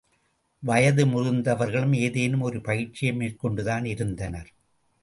வயது முதிர்ந்தவர்களும் ஏதேனும் ஒரு பயிற்சியை மேற்கொண்டுதான் இருந்தனர்.